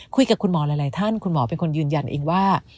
คุยกับคุณหมอหลายท่านคุณหมอเป็นคนยืนยันเองว่า